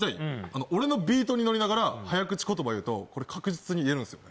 俺のビートに乗りながら早口言葉を言うとこれ確実に言えるんですよ。